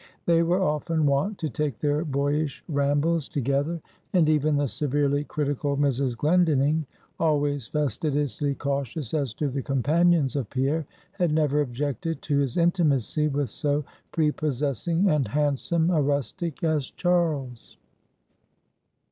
They were often wont to take their boyish rambles together; and even the severely critical Mrs. Glendinning, always fastidiously cautious as to the companions of Pierre, had never objected to his intimacy with so prepossessing and handsome a rustic as Charles.